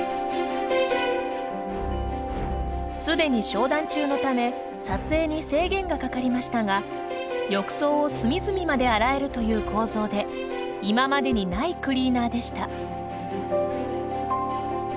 すでに商談中のため撮影に制限がかかりましたが浴槽を隅々まで洗えるという構造で今までにないクリーナーでした。